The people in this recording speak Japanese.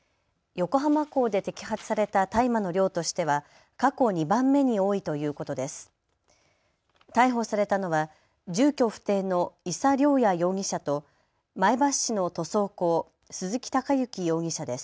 横浜港で摘発された大麻の量としては過去２番目に多いということです。